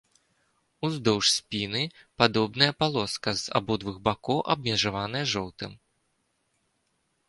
Уздоўж спіны падобная палоска, з абодвух бакоў абмежаваная жоўтым.